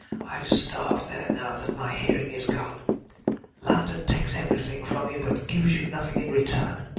"I'd starve there now that my hearing is gone. London takes everything from you, but gives you nothing in return.